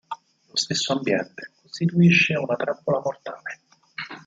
Lo stesso ambiente costituisce una trappola mortale.